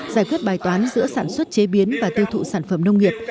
giải quyết bài toán giữa sản xuất chế biến và tiêu thụ sản phẩm nông nghiệp